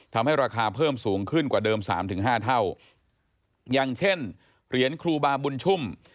ทำให้ราคาเพิ่มสูงขึ้นกว่าเดิมสามถึงห้าเท่าอย่างเช่นเหรียญครูบาบุญชุ่ม